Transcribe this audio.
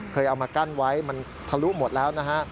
เคยเอามากั้นไว้มันทะลุหมดแล้วนะฮะ